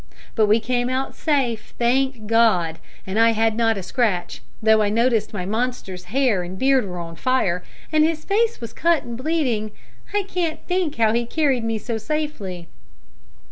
But we came out safe, thank God, and I had not a scratch, though I noticed that my monster's hair and beard were on fire, and his face was cut and bleeding. I can't think how he carried me so safely."